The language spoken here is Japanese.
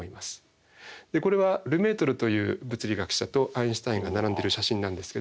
これはルメートルという物理学者とアインシュタインが並んでる写真なんですけど。